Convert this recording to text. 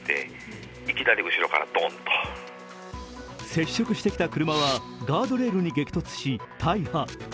接触してきた車はガードレールに激突し大破。